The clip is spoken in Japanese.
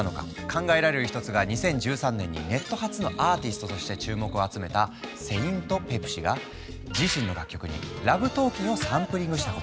考えられる一つが２０１３年にネット発のアーティストとして注目を集めたセイント・ペプシが自身の楽曲に「ＬＯＶＥＴＡＬＫＩＮ’」をサンプリングしたこと。